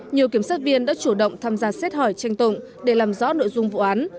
nhiều kiểm sát viên đã chủ động tham gia xét hỏi tranh tụng để làm rõ nội dung vụ án